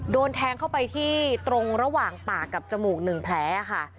โดนแทงเข้าไปที่ตรงระหว่างปากกับจมูก๑แผลค่ะ